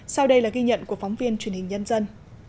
sau đây là ghi nhận của phóng viên truyền hình nhân dân